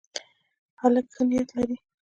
هلک ښه نیت لري.